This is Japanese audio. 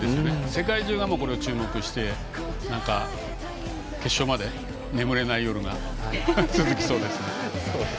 世界中がこれに注目して決勝まで眠れない夜が続きそうですね。